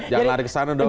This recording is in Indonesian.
jangan lari ke sana doang